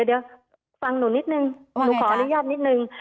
เดี๋ยวฟังหนูนิดนึงหนูขออนุญาตนิดนึง